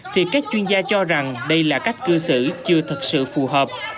thì các chuyên gia cho rằng đây là cách cư xử chưa thật sự phù hợp